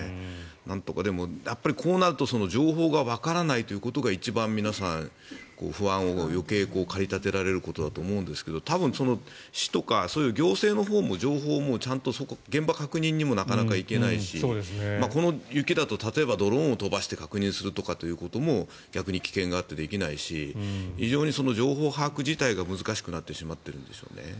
でも、こうなると情報がわからないということが一番皆さん、不安を余計駆り立てられることだと思うんですが多分、市とかそういう行政のほうも情報も現場確認にもなかなか行けないし、この雪だと例えばドローンを飛ばして確認するとかということも逆に危険があってできないし非常に情報把握自体が難しくなってしまっているんでしょうね。